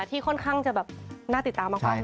ที่ค่อนข้างจะแบบน่าติดตามมากข้างเนอะ